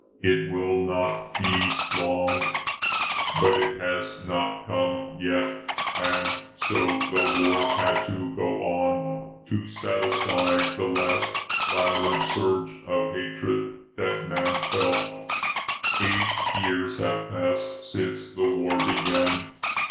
It will not be long "But it has not come yet, and so the war had to go on, to satisfy the last violent surge of hatred that Man felt. Eight years have passed since the war began.